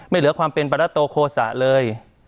เหลือความเป็นปรัตโตโฆษะเลย